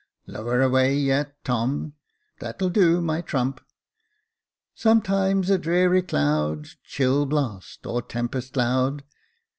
" Lower away yet, Tom. That'll do, my trump. " Sometimes a dreary cloud, Chill blast, or tempest loud.